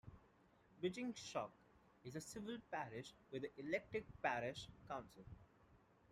Beechingstoke is a civil parish with an elected parish council.